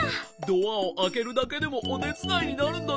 ドアをあけるだけでもおてつだいになるんだね。